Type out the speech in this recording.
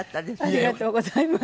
ありがとうございます。